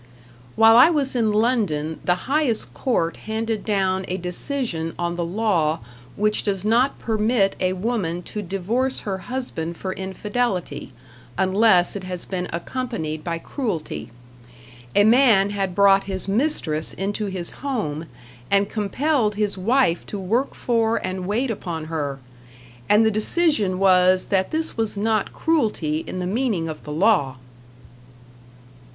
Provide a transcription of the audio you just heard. While I was in London the highest court handed down a decision on the law which does not permit a woman to divorce her husband for infidelity, unless it has been accompanied by cruelty; a man had brought his mistress into his home and compelled his wife to work for and wait upon her, and the decision was that this was not cruelty in the meaning of the law!